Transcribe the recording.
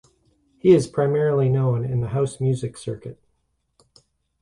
He is primarily known in the house music circuit.